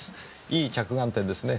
いい着眼点ですね。